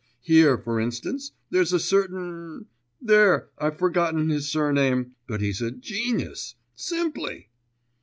Here, for instance, there's a certain ... there, I've forgotten his surname, but he's a genius! simply!